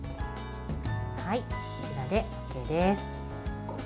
こちらでＯＫです。